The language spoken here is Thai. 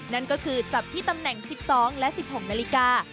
นั่นก็คือจับที่ตำแหน่ง๑๒และ๑๖นาฬิกา